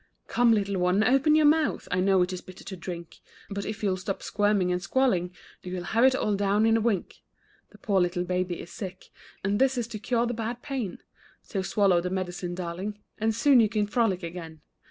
Come, little one, open your mouth! I know it is bitter to drink; But if you'll stop squirming and squalling, You'll have it all down in a wink. The poor little baby is sick, And this is to cure the bad pain; So swallow the medicine, darling, And soon you can frolic again.